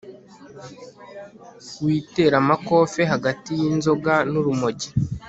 witeramakofe hagati yinzoga nurumogi